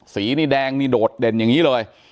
สีนี่แดงนี่โดดเด่นอย่างนี้เลย